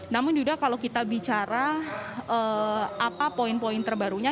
namun yuda kalau kita bicara apa poin poin terbarunya